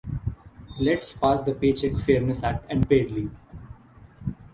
Let’s pass the Paycheck Fairness Act and paid leave.